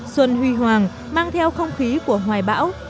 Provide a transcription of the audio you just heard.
xuân huy hoàng mang theo không khí của hoài bão